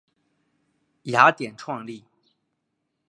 雅典创立。